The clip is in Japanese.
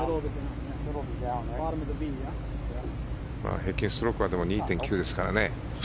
平均ストロークは２．９ですからね。